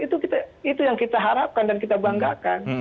itu kita itu yang kita harapkan dan kita banggakan